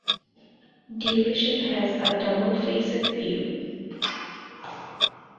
Duration has a double-facet view.